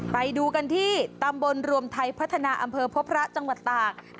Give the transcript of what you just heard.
ไปดูกันที่ตำบลรวมไทยพัฒนาอำเภอพบพระจังหวัดตาก